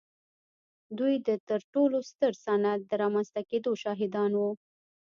دوی د تر ټولو ستر صنعت د رامنځته کېدو شاهدان وو.